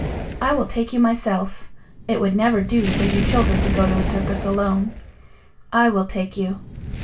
"I will take you myself. It would never do for you children to go to a circus alone. I will take you."